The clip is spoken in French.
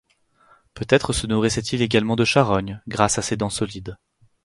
Peut-être se nourrissait-il également de charognes, grâce à ses dents solides.